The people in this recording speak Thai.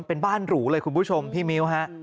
เป็นบ้านหรูเลยคุณผู้ชมพี่มิ้วฮะ